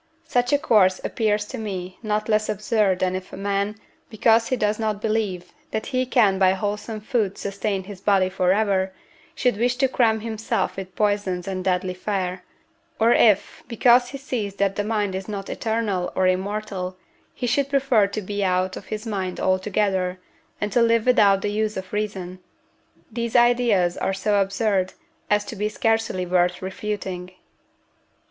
Such a course appears to me not less absurd than if a man, because he does not believe that he can by wholesome food sustain his body for ever, should wish to cram himself with poisons and deadly fare; or if, because he sees that the mind is not eternal or immortal, he should prefer to be out of his mind altogether, and to live without the use of reason; these ideas are so absurd as to be scarcely worth refuting.